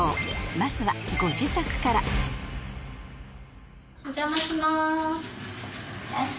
まずはご自宅からお邪魔します。